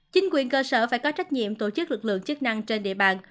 chính quyền cơ sở phải có trách nhiệm tổ chức lực lượng chức năng trên địa bàn